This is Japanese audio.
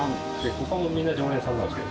他もみんな常連さんなんですか？